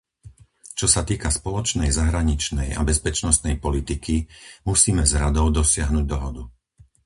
Čo sa týka spoločnej zahraničnej a bezpečnostnej politiky, musíme s Radou dosiahnuť dohodu.